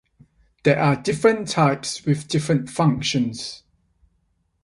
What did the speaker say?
There are different types with different functions.